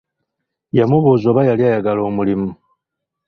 Yamubuuza oba yali ayagala omulimu.